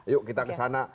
yuk kita kesana